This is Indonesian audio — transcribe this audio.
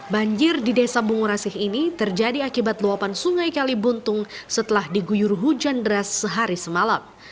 banjir di desa bungurasi ini terjadi akibat luapan sungai kalibuntung setelah diguyur hujan deras sehari semalam